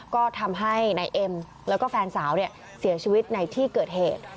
ก็ทำให้นายเอ็มแล้วก็แฟนสาวเสียชีวิตในที่เกิดเหตุ